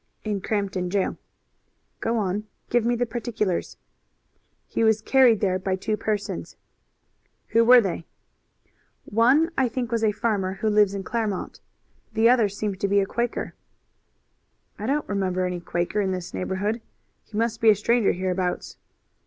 "In Crampton jail." "Go on. Give me the particulars." "He was carried there by two persons." "Who were they?" "One I think was a farmer who lives in Claremont. The other seemed to be a Quaker." "I don't remember any Quaker in this neighborhood. He must be a stranger hereabouts."